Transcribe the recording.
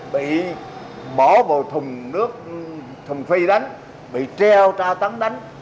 bị bỏ vào thùng nước thùng phi đánh bị treo tra tấn đánh